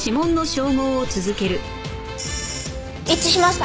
一致しました！